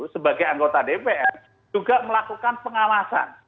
sebagai anggota dpr juga melakukan pengawasan